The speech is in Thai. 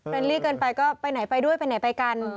ลลี่เกินไปก็ไปไหนไปด้วยไปไหนไปกัน